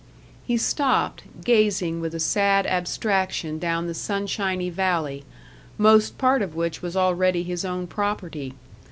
He stopped, gazing with a sad abstraction down the sunshiny valley most part of which was already his own property.